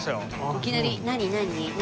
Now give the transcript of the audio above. いきなり？何何？